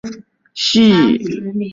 设定一坐标系。